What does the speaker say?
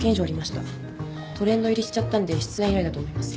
トレンド入りしちゃったんで出演依頼だと思います。